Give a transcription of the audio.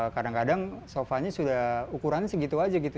kadang kadang sofanya sudah ukurannya segitu aja gitu